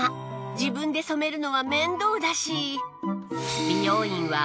自分で染めるのは面倒だし